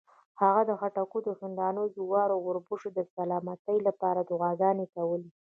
هغه د خټکو، هندواڼو، جوارو او اوربشو د سلامتۍ لپاره دعاګانې کولې.